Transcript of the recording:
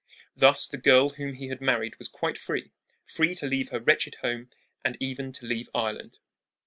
Thus the girl whom, he had married was quite free free to leave her wretched home and even to leave Ireland.